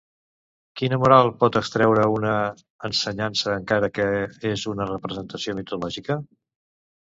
Quina moral pot extreure una ensenyança encara que és una representació mitològica?